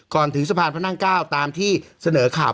ก่อนถึงสะพานพนัก๑๙ตามที่เสนอข่าว